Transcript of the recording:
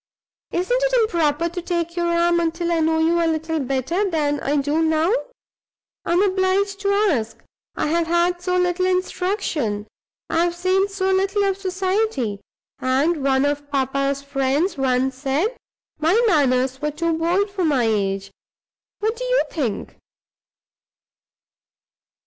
Isn't it improper to take your arm until I know you a little better than I do now? I am obliged to ask; I have had so little instruction; I have seen so little of society, and one of papa's friends once said my manners were too bold for my age. What do you think?"